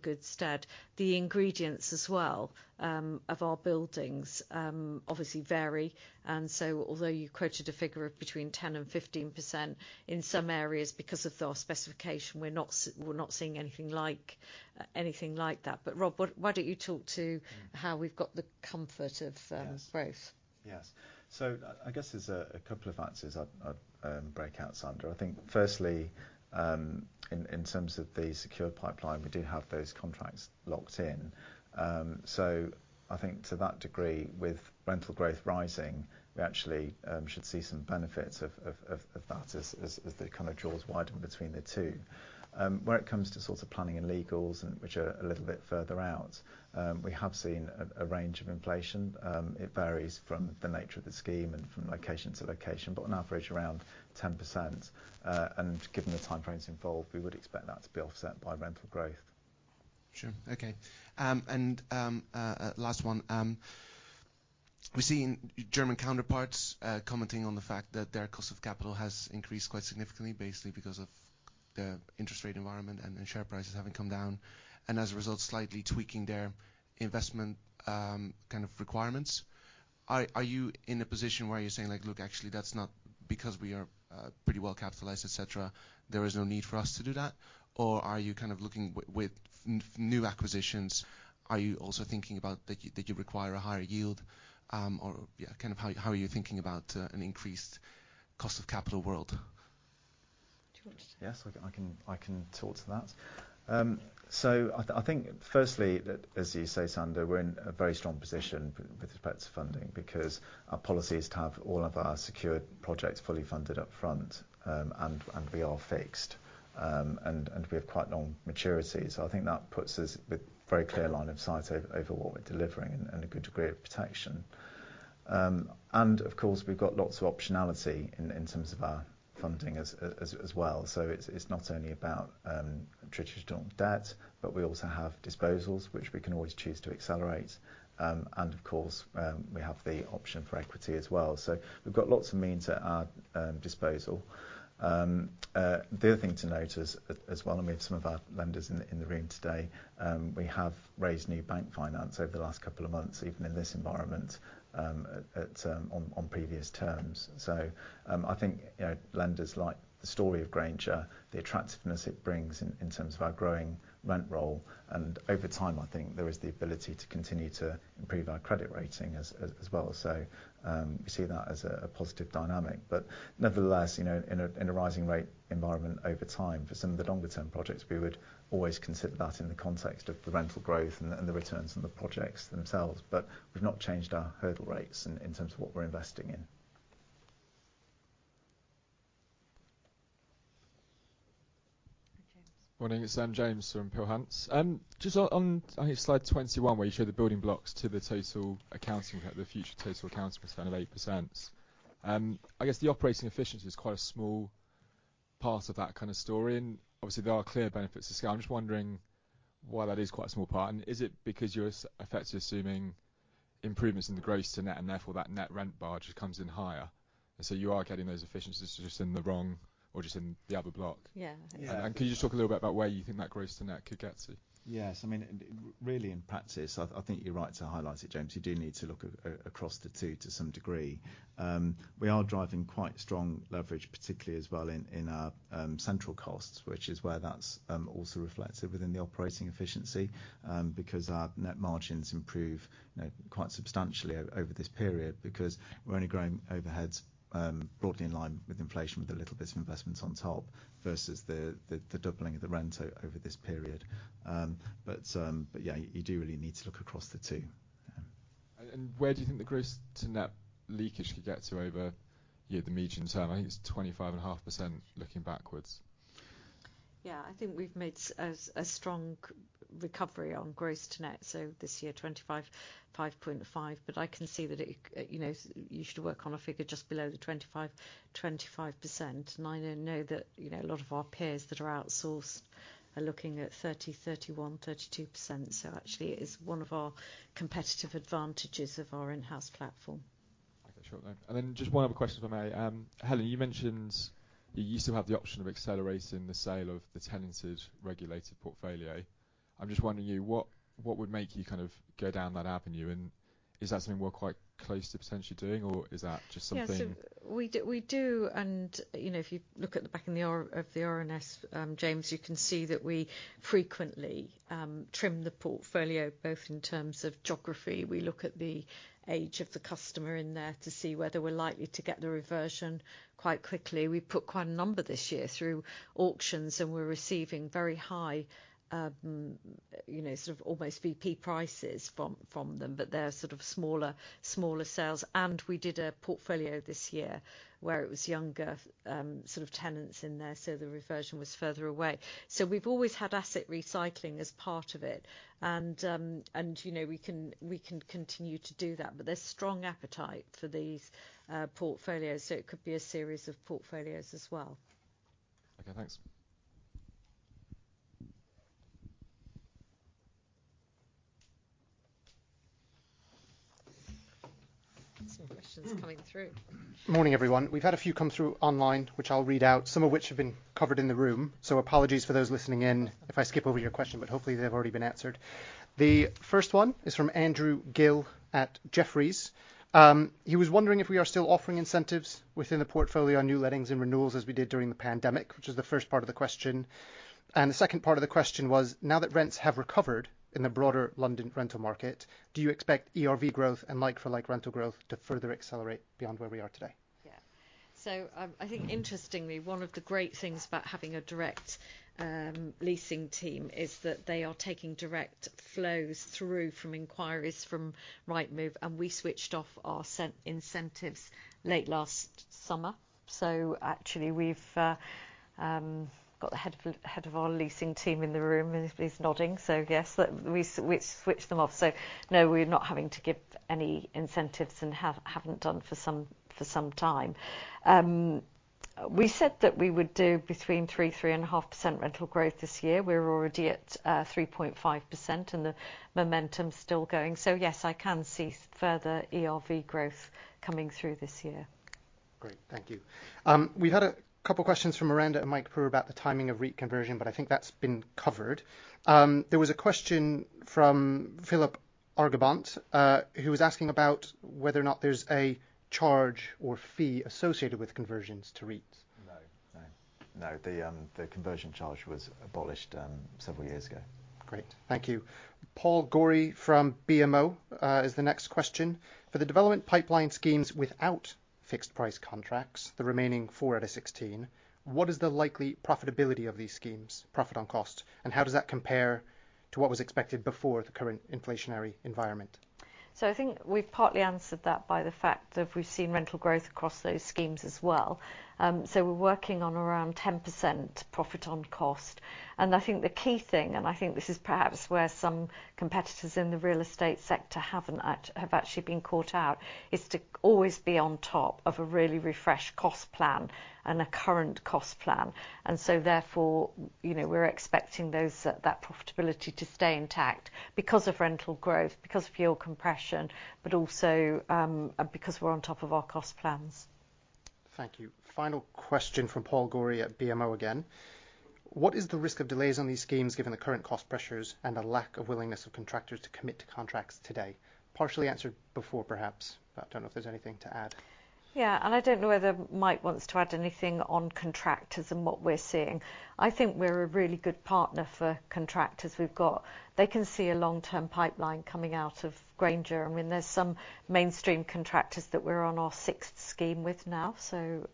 good stead. The ingredients as well of our buildings obviously vary, and so although you quoted a figure of between 10% and 15%, in some areas, because of our specification, we're not seeing anything like that. Rob, why don't you talk to how we've got the comfort of growth? Yes. I guess there's a couple of answers I'd break out, Sander. I think firstly, in terms of the secure pipeline, we do have those contracts locked in. I think to that degree, with rental growth rising, we actually should see some benefits of that as the kind of jaws widen between the two. Where it comes to sort of planning and legals and which are a little bit further out, we have seen a range of inflation. It varies from the nature of the scheme and from location to location, but on average around 10%. Given the time frames involved, we would expect that to be offset by rental growth. Sure. Okay. Last one. We're seeing German counterparts commenting on the fact that their cost of capital has increased quite significantly, basically because of the interest rate environment and share prices having come down, and as a result, slightly tweaking their investment kind of requirements. Are you in a position where you're saying like, "Look, actually, that's not because we are pretty well capitalized, et cetera. There is no need for us to do that"? Or are you kind of looking with new acquisitions, are you also thinking about that you require a higher yield? Or yeah, kind of how are you thinking about an increased cost of capital world? Do you want to? Yes, I can talk to that. I think firstly that, as you say, Sander, we're in a very strong position with respect to funding because our policy is to have all of our secured projects fully funded up front, and we are fixed, and we have quite long maturities. I think that puts us with very clear line of sight over what we're delivering and a good degree of protection. Of course, we've got lots of optionality in terms of our funding as well. It's not only about traditional debt, but we also have disposals, which we can always choose to accelerate. Of course, we have the option for equity as well. We've got lots of means at our disposal. The other thing to note is as well, and we have some of our lenders in the room today. We have raised new bank finance over the last couple of months, even in this environment, on previous terms. I think, you know, lenders like the story of Grainger, the attractiveness it brings in terms of our growing rent roll, and over time, I think there is the ability to continue to improve our credit rating as well. We see that as a positive dynamic. Nevertheless, you know, in a rising rate environment over time, for some of the longer term projects, we would always consider that in the context of the rental growth and the returns on the projects themselves. We've not changed our hurdle rates in terms of what we're investing in. James. Morning. It's James from Peel Hunt. Just on, I think Slide 21, where you show the building blocks to the total return, the future total return of 8%. I guess the operating efficiency is quite a small part of that kind of story. Obviously there are clear benefits to scale. I'm just wondering why that is quite a small part. Is it because you're effectively assuming improvements in the gross to net, and therefore that net rent bar just comes in higher? So you are getting those efficiencies just in the rent or just in the other block. Yeah. Yeah. Can you just talk a little bit about where you think that gross to net could get to? Yes. I mean, really in practice, I think you're right to highlight it, James. You do need to look across the two to some degree. We are driving quite strong leverage, particularly as well in our central costs, which is where that's also reflected within the operating efficiency, because our net margins improve, you know, quite substantially over this period because we're only growing overheads broadly in line with inflation, with the little bits of investments on top versus the doubling of the rent over this period. But yeah, you do really need to look across the two. Where do you think the gross to net leakage could get to over, you know, the medium term? I think it's 25.5% looking backwards. Yeah. I think we've made a strong recovery on gross to net. This year, 25.5%. I can see that, you know, you should work on a figure just below the 25%. I know that, you know, a lot of our peers that are outsourced are looking at 30%, 31%, 32%. Actually it is one of our competitive advantages of our in-house platform. Okay. Sure, then. Just one other question if I may. Helen, you mentioned you still have the option of accelerating the sale of the tenanted regulated portfolio. I'm just wondering, what would make you kind of go down that avenue? Is that something we're quite close to potentially doing, or is that just something? We do and, you know, if you look at the back of the RNS, James, you can see that we frequently trim the portfolio both in terms of geography. We look at the age of the customer in there to see whether we're likely to get the reversion quite quickly. We put quite a number this year through auctions, and we're receiving very high, you know, sort of almost ERV prices from them, but they're sort of smaller sales. We did a portfolio this year where it was younger sort of tenants in there, so the reversion was further away. We've always had asset recycling as part of it and, you know, we can continue to do that. There's strong appetite for these portfolios, so it could be a series of portfolios as well. Okay. Thanks. Some questions coming through. Morning, everyone. We've had a few come through online, which I'll read out, some of which have been covered in the room. So apologies for those listening in if I skip over your question, but hopefully they've already been answered. The first one is from Andrew Gill at Jefferies. He was wondering if we are still offering incentives within the portfolio on new lettings and renewals as we did during the pandemic, which is the first part of the question. The second part of the question was, now that rents have recovered in the broader London rental market, do you expect ERV growth and like-for-like rental growth to further accelerate beyond where we are today? Yeah. I think interestingly, one of the great things about having a direct leasing team is that they are taking direct flows through from inquiries from Rightmove, and we switched off our letting incentives late last summer. Actually we've got the head of our leasing team in the room, and he's nodding. Yes, we switched them off. No, we're not having to give any incentives and haven't done for some time. We said that we would do between 3%-3.5% rental growth this year. We're already at 3.5%, and the momentum's still going. Yes, I can see further ERV growth coming through this year. Great. Thank you. We've had a couple questions from Miranda and Mike Prew about the timing of REIT conversion, but I think that's been covered. There was a question from Philip Argabant, who was asking about whether or not there's a charge or fee associated with conversions to REITs. No. The conversion charge was abolished several years ago. Great. Thank you. Paul Gorey from BMO has the next question. For the development pipeline schemes without fixed price contracts, the remaining four out of 16, what is the likely profitability of these schemes, profit on cost? And how does that compare to what was expected before the current inflationary environment? I think we've partly answered that by the fact that we've seen rental growth across those schemes as well. We're working on around 10% profit on cost. I think the key thing, and I think this is perhaps where some competitors in the real estate sector have actually been caught out, is to always be on top of a really refreshed cost plan and a current cost plan. Therefore, you know, we're expecting those, that profitability to stay intact because of rental growth, because of yield compression, but also, because we're on top of our cost plans. Thank you. Final question from Paul Gorey at BMO again. What is the risk of delays on these schemes given the current cost pressures and a lack of willingness of contractors to commit to contracts today? Partially answered before perhaps, but don't know if there's anything to add. Yeah. I don't know whether Mike wants to add anything on contractors and what we're seeing. I think we're a really good partner for contractors. They can see a long-term pipeline coming out of Grainger. I mean, there's some mainstream contractors that we're on our sixth scheme with now, so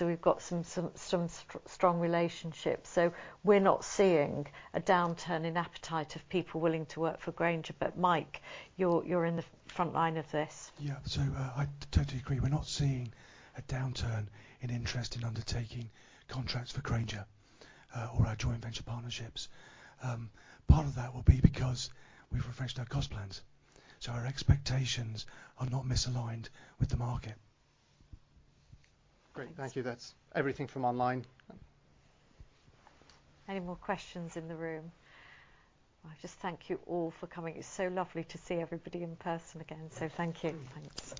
we've got some strong relationships. We're not seeing a downturn in appetite of people willing to work for Grainger. Mike, you're in the front line of this. I totally agree. We're not seeing a downturn in interest in undertaking contracts for Grainger or our joint venture partnerships. Part of that will be because we've refreshed our cost plans, so our expectations are not misaligned with the market. Great. Thank you. That's everything from online. Any more questions in the room? I just thank you all for coming. It's so lovely to see everybody in person again. Thank you. Thanks.